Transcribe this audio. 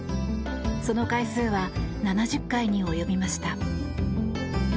その回数は７０回に及びました。